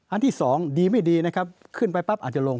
ที่สองดีไม่ดีนะครับขึ้นไปปั๊บอาจจะลง